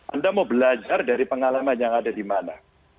anda mau belajar dari pengalaman yang ada di mana